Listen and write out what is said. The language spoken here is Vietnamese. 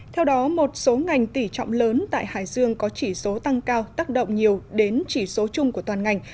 theo đó một số ngành tỉ trọng lớn tại hải dương có chỉ số tăng cao tác động nhiều đến chỉ số chung của toàn ngành